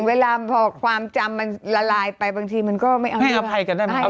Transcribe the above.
เอ้าจริงเนี่ย